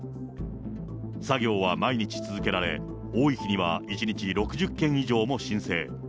作業は毎日続けられ、多い日には１日６０件以上も申請。